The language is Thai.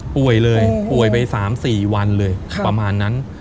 ป่วยเลยป่วยไป๓๔วันเลยประมาณนั้น